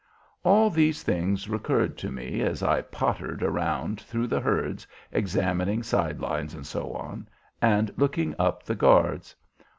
All these things recurred to me as I pottered around through the herds examining side lines, etc., and looking up the guards.